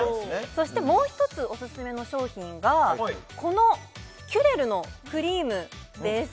そしてもう一つオススメの商品がこのキュレルのクリームです